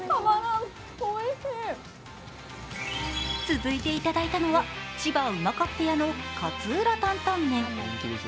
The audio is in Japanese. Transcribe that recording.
続いて頂いたのは、千葉うまかっ部屋の勝浦タンタンメン。